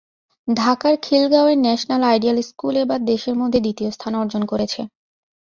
ঢাকার খিলগাঁওয়ের National Ideal School এবার দেশের মধ্যে দ্বিতীয় স্থান অর্জন করেছে।